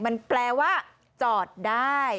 มันแปลว่าจอดได้